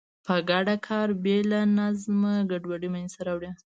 په ګډه کار بې له نظمه ګډوډي منځته راوړي.